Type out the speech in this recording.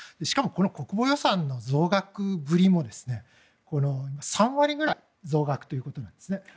しかもこの国防予算の増額ぶりも３割ぐらい増額ということなんですね。